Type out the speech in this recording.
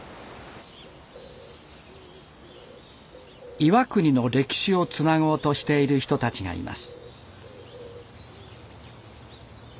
岩国の歴史をつなごうとしている人たちがいます。